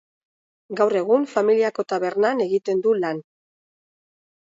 Gaur egun familiako tabernan egiten du lan.